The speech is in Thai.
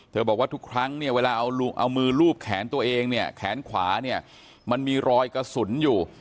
บอกว่าทุกครั้งเนี่ยเวลาเอามือลูบแขนตัวเองเนี่ยแขนขวาเนี่ยมันมีรอยกระสุนอยู่